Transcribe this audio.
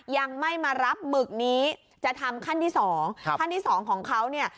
ยังไม่มารับหมึกนี้จะทำขั้นที่สองขั้นที่สองของเขาเนี่ย